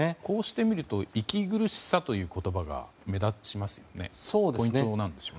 こうしてみると息苦しさという言葉が目立ちますね。